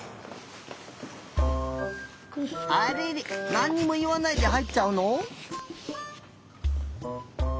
あれれなんにもいわないではいっちゃうの？